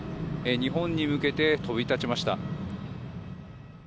日本に向けて飛び立ちました。